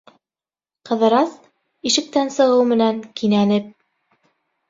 Ҡыҙырас, ишектән сығыу менән, кинәнеп: